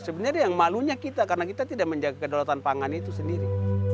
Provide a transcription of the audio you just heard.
sebenarnya yang malunya kita karena kita tidak menjaga kedaulatan pangan itu sendiri